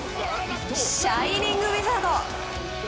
シャイニング・ウィザード！